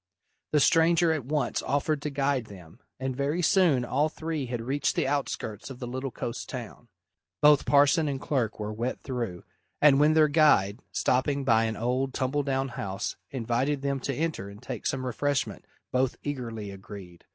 The stranger at once offered to guide them, and very soon all three had reached the outskirts of the little coast town. Both parson and clerk were wet through, and when their guide, stopping by an old, tumble down house, invited them to enter and take some refreshment, both eagerly agreed.